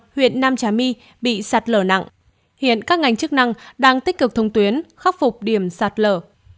huyện nam trà my bị sạt lở nặng hiện các ngành chức năng đang tích cực thông tuyến khắc phục điểm sạt lở